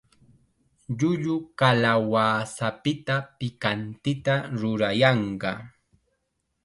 Llullu kalawasapita pikantita rurayanqa.